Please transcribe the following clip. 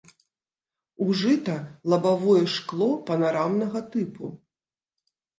Ужыта лабавое шкло панарамнага тыпу.